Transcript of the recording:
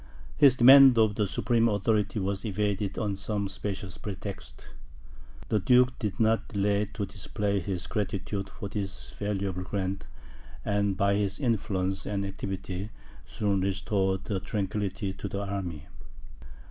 His demand of the supreme authority was evaded on some specious pretext. The duke did not delay to display his gratitude for this valuable grant, and by his influence and activity soon restored tranquillity to the army.